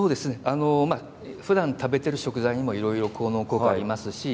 ふだん食べている食材にもいろいろ効能などがあります。